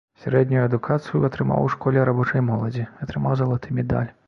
Сярэднюю адукацыю атрымаў у школе рабочай моладзі, атрымаў залаты медаль.